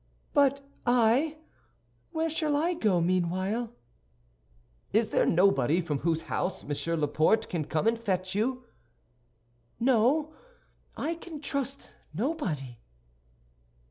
"But I—where shall I go meanwhile?" "Is there nobody from whose house Monsieur Laporte can come and fetch you?" "No, I can trust nobody."